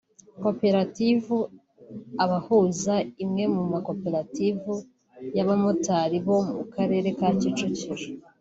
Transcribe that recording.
Koperative Abahuza imwe mu makoperative y’abamotari bo mu karere ka Kicukiro